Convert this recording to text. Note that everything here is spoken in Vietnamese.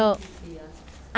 còn nhiều bộ bề